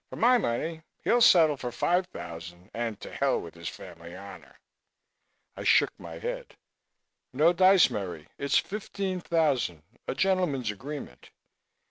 For my money, he'll settle for five thousand and to hell with his family honor." I shook my head. "No dice, Merry. It's fifteen thousand a gentleman's agreement."